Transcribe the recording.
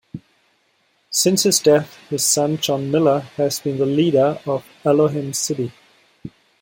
Since his death, his son John Millar has been the leader of Elohim City.